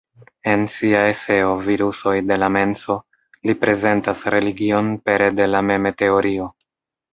En sia eseo "Virusoj de la menso" li prezentas religion pere de la meme-teorio.